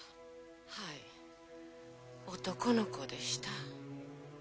はい男の子でした。